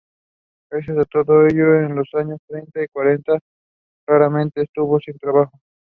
Freeman soon became interested in anthropology and switched her area of focus to anthropology.